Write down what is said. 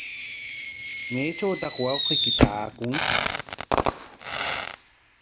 ¿Maytrawtaq wawqiyki taakun?